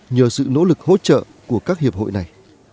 nhờ sự nỗ lực hỗ trợ của các hiệp hội này